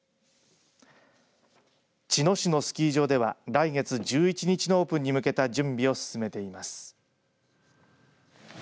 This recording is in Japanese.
茅野市のスキー場では来月１１日のオープンに向けた準備を進めています。